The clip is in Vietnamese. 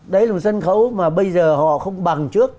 đấy là một sân khấu mà bây giờ họ không bằng trước